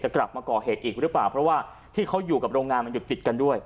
กลับมาก่อเหตุอีกหรือเปล่าเพราะว่าที่เขาอยู่กับโรงงานมันอยู่ติดกันด้วย